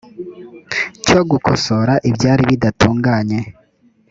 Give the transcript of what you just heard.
cyo gukosora ibyari bidatunganye